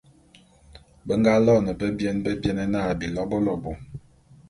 Be nga loene bebiene bebiene na, Bilobôlobô.